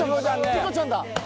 ニコちゃんだ！